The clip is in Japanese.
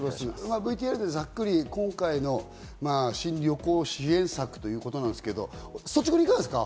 ＶＴＲでざっくり今回の新旅行支援策ということなんですけど、率直にいかがですか？